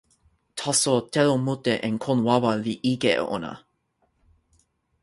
taso, telo mute en kon wawa li ike e ona.